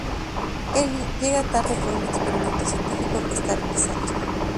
Ellie llega tarde por un experimento científico que está realizando.